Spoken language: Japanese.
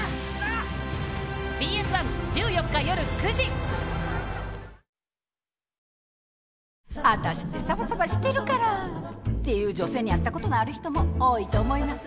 「ワタシってサバサバしてるから」って言う女性に会ったことのある人も多いと思います。